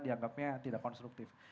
dianggapnya tidak konstruktif